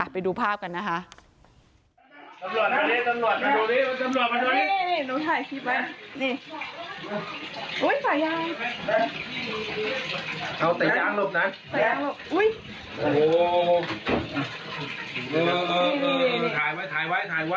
เราพีชอยู่ตรงนี้มีใครยอด